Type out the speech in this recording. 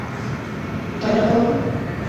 তাই না, পল?